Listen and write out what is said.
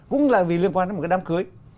cũng là vì liên quan đến một cái đám cưới